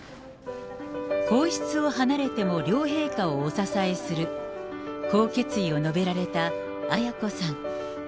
皇室を離れても両陛下をお支えする、こう決意を述べられた絢子さん。